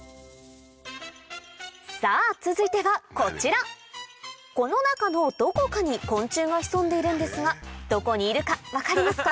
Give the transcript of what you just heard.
さぁ続いてはこちらこの中のどこかに昆虫が潜んでいるんですがどこにいるか分かりますか？